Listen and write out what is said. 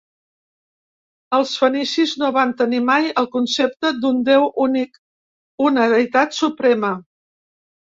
Els fenicis no van tenir mai el concepte d'un déu únic, una deïtat suprema.